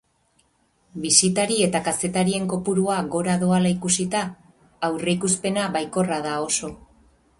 Bisitari eta kazetarien kopurua gora doala ikusita, aurreikuspena baikorra da oso.